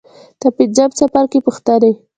د پنځم څپرکي پوښتنې.